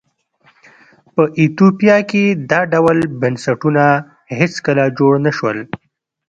په ایتوپیا کې دا ډول بنسټونه هېڅکله جوړ نه شول.